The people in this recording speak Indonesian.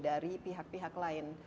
dari pihak pihak lain